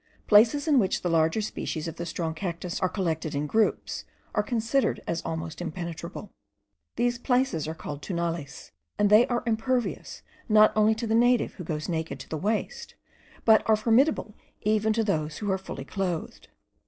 Places in which the larger species of the strong cactus are collected in groups are considered as almost impenetrable. These places are called Tunales; and they are impervious not only to the native, who goes naked to the waist, but are formidable even to those who are fully clothed.